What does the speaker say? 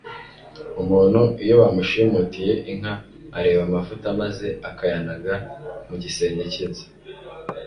Umuntu iyo bamushimutiye inka areba amavuta maze akayanaga mu gisenge cy’inzu,